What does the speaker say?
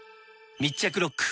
密着ロック！